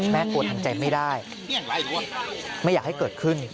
กลัวทำใจไม่ได้ไม่อยากให้เกิดขึ้น